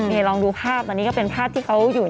นี่ลองดูภาพอันนี้ก็เป็นภาพที่เขาอยู่